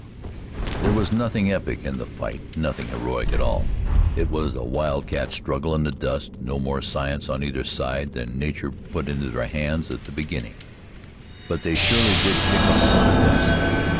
There was nothing epic in that fight, nothing heroic at all. It was a wildcat struggle in the dust, no more science on either side than nature put into their hands at the beginning. But they surely did kick up a lot of dust.